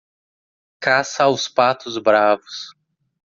Caça aos patos bravos